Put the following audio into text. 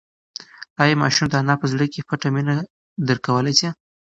ایا ماشوم د انا په زړه کې پټه مینه درک کولی شي؟